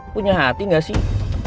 punya hati gak sih